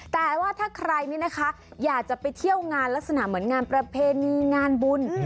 แต่ว่าถ้าใครนี่นะคะอยากจะไปเที่ยวงานลักษณะเหมือนงานประเพณีงานบุญ